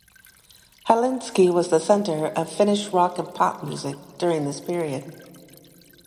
Helsinki was the centre of Finnish rock and pop music during this period.